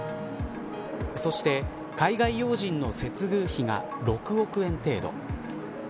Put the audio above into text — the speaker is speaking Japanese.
そして、海外要人の接遇費が６億円程度。